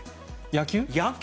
野球？